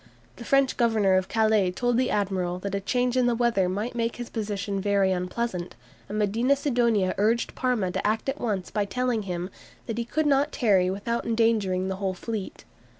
The French Governor of Calais told the admiral that a change in the weather might make his position very unpleasant, and Medina Sidonia urged Parma to act at once by telling him "that he could not tarry without endangering the whole fleet."